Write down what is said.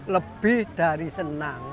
lebih dari senang